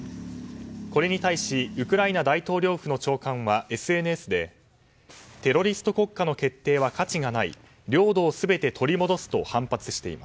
これに対しウクライナ大統領府長官はＳＮＳで、テロリスト国家の決定は価値がない。